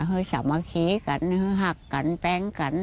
คือสามัคคีกันคือหักกันแป้งกัน